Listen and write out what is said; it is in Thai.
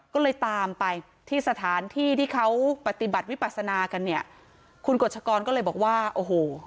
ก็เลยตามไปที่สถานที่ที่เขาปฏิบัติวิปัสนากันเนี่ยคุณกฎชกรก็เลยบอกว่าโอ้โห